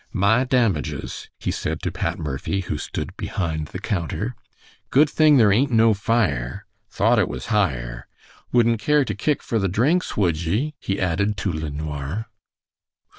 "My damages," he said to Pat Murphy, who stood behind the counter. "Good thing there ain't no fire. Thought it was higher. Wouldn't care to kick for the drinks, would ye?" he added to LeNoir.